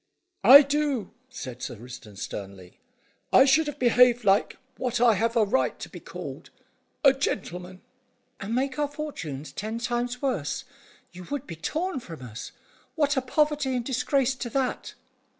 "I do," said Sir Risdon sternly. "I should have behaved like what I have a right to be called a gentleman." "And make our fortunes ten times worse. You would be torn from us. What are poverty and disgrace to that?"